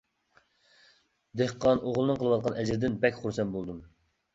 دېھقان ئوغلىنىڭ قىلىۋاتقان ئەجرىدىن بەك خۇرسەن بولدۇم.